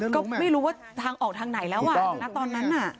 ก็ไม่รู้ว่าทางออกทางไหนแล้วอ่ะณตอนนั้นน่ะ